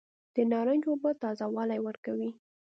د نارنج اوبه تازه والی ورکوي.